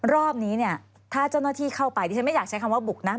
รอบนี้เนี่ยถ้าเจ้าหน้าที่เข้าไปดิฉันไม่อยากใช้คำว่าบุกนะ